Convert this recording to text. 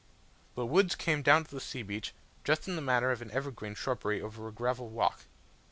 The woods came down to the sea beach, just in the manner of an evergreen shrubbery over a gravel walk.